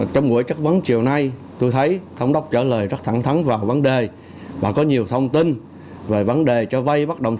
trong buổi chất vấn chiều nay tôi thấy thống đốc trả lời rất thẳng thẳng vào vấn đề và có nhiều thông tin về vấn đề cho vay bắt đồng sản